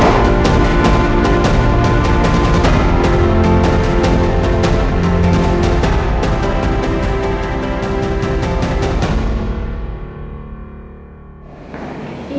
dan itu daping